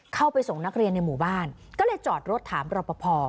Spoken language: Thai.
เข้าไปส่งนักเรียนในหมู่บ้านก็เลยจอดรถถามรอปภ